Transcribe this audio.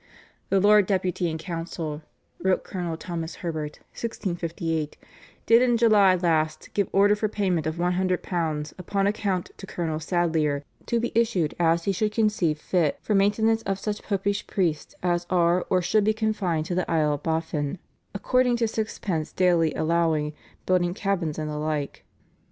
"The Lord Deputy and Council," wrote Colonel Thomas Herbert (1658), "did in July last give order for payment of £100 upon account to Colonel Sadleir, to be issued as he should conceive fit for maintenance of such Popish priests as are or should be confined to the Isle of Boffin, according to six pence daily allowing, building cabins and the like.